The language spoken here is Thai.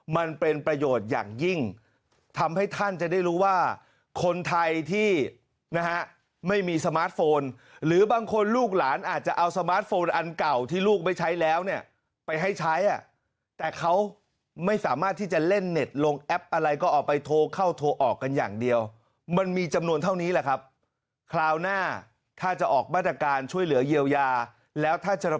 มันเป็นประโยชน์อย่างยิ่งทำให้ท่านจะได้รู้ว่าคนไทยที่นะฮะไม่มีสมาร์ทโฟนหรือบางคนลูกหลานอาจจะเอาสมาร์ทโฟนอันเก่าที่ลูกไม่ใช้แล้วเนี่ยไปให้ใช้อ่ะแต่เขาไม่สามารถที่จะเล่นเน็ตลงแอปอะไรก็ออกไปโทรเข้าโทรออกกันอย่างเดียวมันมีจำนวนเท่านี้แหละครับคราวหน้าถ้าจะออกมาตรการช่วยเหลือเยียวยาแล้วถ้าจะ